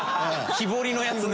木彫りのやつね。